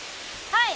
はい。